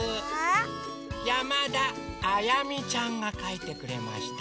やまだあやみちゃんがかいてくれました。